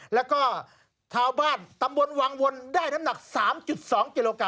แล้วก็ชาวบ้านตำบลวังวนได้น้ำหนัก๓๒กิโลกรั